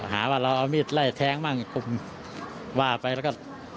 หาว่าเราเอามีดไล่แทงบ้างกลุ่มว่าไปแล้วก็